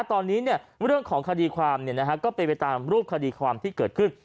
ตอนนี้เนี่ยเรื่องของคดีความเนี่ยนะฮะก็เป็นไปตามรูปคดีความที่เกิดขึ้น